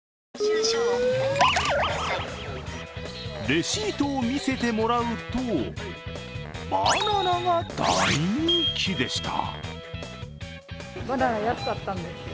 レシートを見せてもらうと、バナナが大人気でした。